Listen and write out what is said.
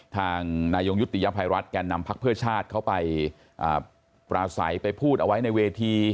ทางนายงยุติยภัยรัฐแก่นำพักเพื่อชาติเขาไปปราศัยไปพูดเอาไว้ในเวที